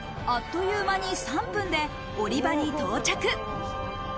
あっという間に３分で降り場に到着。